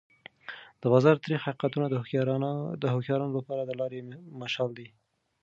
د بازار تریخ حقیقتونه د هوښیارانو لپاره د لارې مشال دی.